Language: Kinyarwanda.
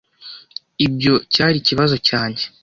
Ibyo cyari ikibazo cyanjye.